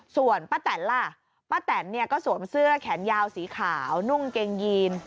ส่วนป้าแตนล่ะป้าแตนเนี่ยก็สวมเสื้อแขนยาวสีขาวนุ่งเกงยีน